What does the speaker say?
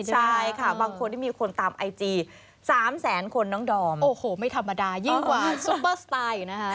ใช่ค่ะบางคนที่มีคนตามไอจี๓แสนคนน้องดอมโอ้โหไม่ธรรมดายิ่งกว่าซุปเปอร์สไตล์อีกนะคะ